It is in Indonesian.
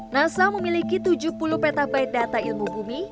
nasa memiliki tujuh puluh peta by data ilmu bumi